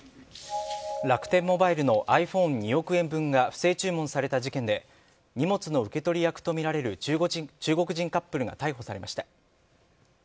楽天モバイルのｉＰｈｏｎｅ２億円分が不正注文された事件で荷物の受け取り役とみられる中国人カップルが逮捕されました。